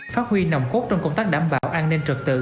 phát huy nồng cốt trong công tác đảm bảo an ninh trật tự